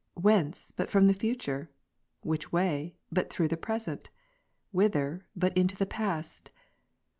whence, but from the future ? Which way, but through the present ? whither, but into the past